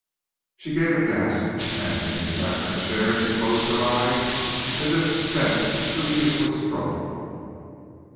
She gave a gasp, and, leaning back in her chair, she closed her eyes, as if spent with a useless struggle.